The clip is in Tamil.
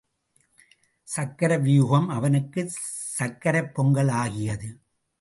சக்கர வியூகம் அவனுக்குச் சர்க்கரைப் பொங்கல் ஆகியது.